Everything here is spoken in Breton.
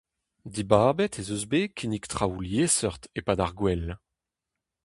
Dibabet ez eus bet kinnig traoù liesseurt e-pad ar gouel.